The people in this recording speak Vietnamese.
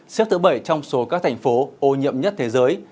xếp thứ bảy trong số các thành phố ô nhiễm nhất thế giới